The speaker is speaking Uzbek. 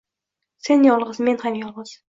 Sen yolgʻiz, men ham yolgʻiz.